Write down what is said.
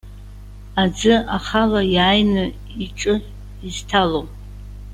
Аӡы ахала иааины иҿы изҭалом.